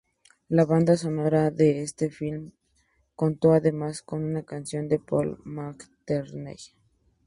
La banda sonora de este film contó además con una canción de Paul Mccartney.